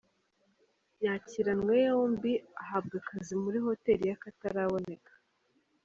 Yakiranwe yombi, ahabwa akazi muri Hotel y’akataraboneka .